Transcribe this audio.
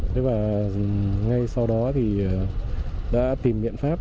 thế và ngay sau đó thì đã tìm biện pháp